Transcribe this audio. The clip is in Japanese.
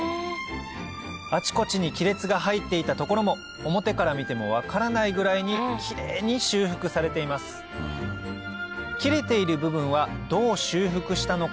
あちこちに亀裂が入っていた所も表から見ても分からないぐらいにキレイに修復されています切れている部分はどう修復したのか